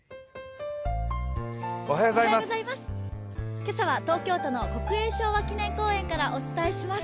今朝は東京都の国営昭和記念公園からお伝えします。